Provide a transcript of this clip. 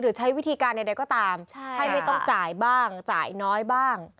ใช้วิธีการใดก็ตามให้ไม่ต้องจ่ายบ้างจ่ายน้อยบ้าง